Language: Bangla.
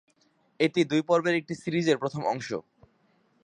এটি দুই পর্বের একটি সিরিজের প্রথম অংশ।